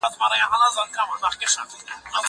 زه د کتابتون د کار مرسته کړې ده!